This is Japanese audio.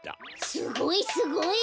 すごいすごい。